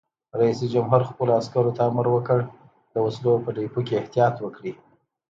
رئیس جمهور خپلو عسکرو ته امر وکړ؛ د وسلو په ډیپو کې احتیاط وکړئ!